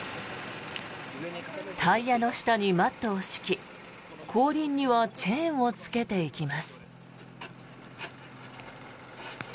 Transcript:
タイヤの下にマットを敷き後輪にはチェーンをつけていきます。